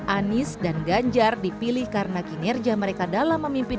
anies dan ganjar dipilih karena kinerja mereka dalam memimpin